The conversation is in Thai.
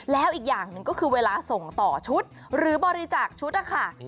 แล้วอีกอย่างหนึ่งก็คือเวลาส่งต่อชุดหรือบริจาคชุดนะคะ